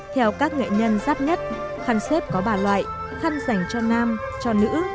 theo các nghệ nhân rắt nhất khăn xếp có ba loại khăn dành cho nam cho nữ